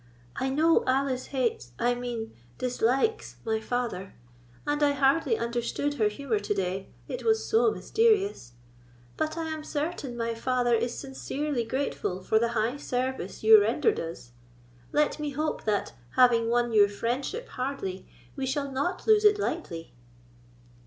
I know Alice hates—I mean dislikes my father; and I hardly understood her humour to day, it was so mysterious. But I am certain my father is sincerely grateful for the high service you rendered us. Let me hope that, having won your friendship hardly, we shall not lose it lightly."